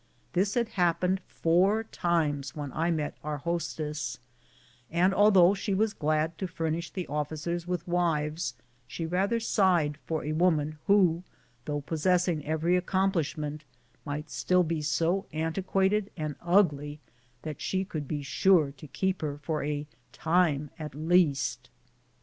This had happened four times when I met our hostess, and though she was glad to furnish the officers with wives, she rather siglied for a woman who, though possessing every accomplishment, might still be 60 antiquated and ugly that she could be sure to keep her for a time at least.